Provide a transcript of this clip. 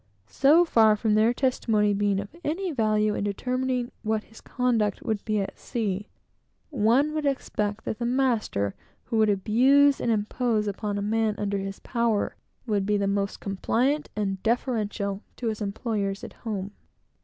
So far from their testimony being of any value in determining what his conduct would be at sea, one would expect that the master who would abuse and impose upon a man under his power, would be the most compliant and deferential to his employers at home.